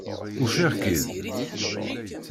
Ufiɣ-k-id.